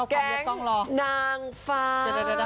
แกงนางฟ้า